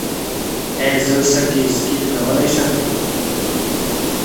ایا زه سټي سکن کولی شم؟